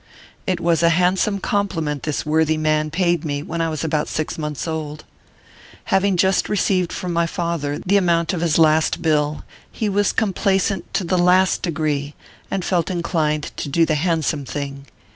It was a handsome compliment this worthy man paid me when I. was about six months old. Having just received from my father the amount ORPHEUS C. KERR PAPERS. 13 of his last bill, he was complacent to the last degree, and felt inclined to do the handsome thing.